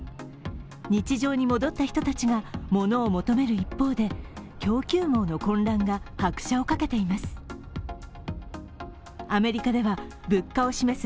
日常に戻った人たちが物を求める一方で供給網の混乱が拍車をかけています。